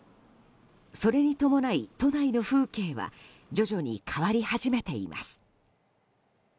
それに伴い都内の風景は徐々に変わり始めています。